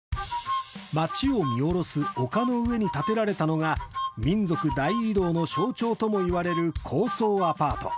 町を見下ろす丘の上に建てられたのが民族大移動の象徴ともいわれる高層アパート